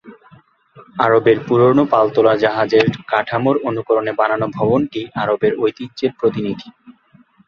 আরবের পুরনো পালতোলা জাহাজের কাঠামোর অনুকরণে বানানো ভবনটি আরবের ঐতিহ্যের প্রতিনিধি।